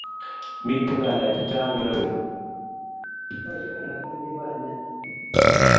Miten ngalek che chang irou